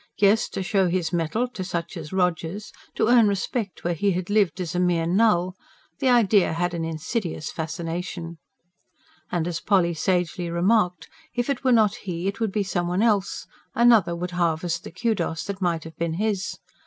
Yes, to show his mettle to such as Rogers; to earn respect where he had lived as a mere null the idea had an insidious fascination. And as Polly sagely remarked: if it were not he, it would be some one else; another would harvest the KUDOS that might have been his.